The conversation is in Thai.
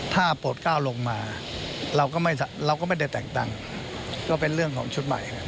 ถ้าโปรดก้าวลงมาเราก็ไม่ได้แต่งตังค์ก็เป็นเรื่องของชุดใหม่